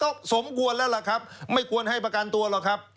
ก็สมควรแล้วล่ะครับไม่ควรให้ประกันตัวหรอกครับ